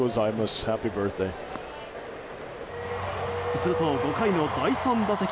すると５回の第３打席。